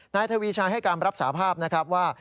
นายทวีชัยให้การรับสาภาพนะครับว่า